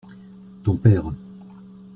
Ton père.